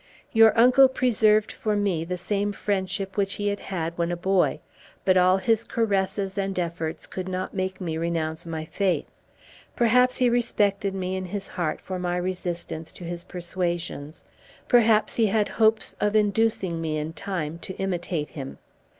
Your uncle preserved for me the same friendship which he had had when a boy; but all his caresses and efforts could not make me renounce my faith. Perhaps he respected me in his heart for my resistance to his persuasions, perhaps he had hopes of inducing me in time to imitate him.